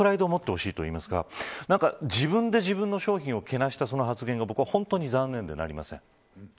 そこにプライドを持ってほしいといいますか自分で自分の商品をけなしたその点が僕は残念でなりません。